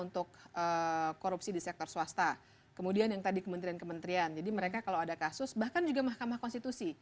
untuk korupsi di sektor swasta kemudian yang tadi kementerian kementerian jadi mereka kalau ada kasus bahkan juga mahkamah konstitusi